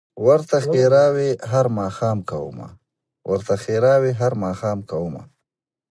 ورته ښېراوي هر ماښام كومه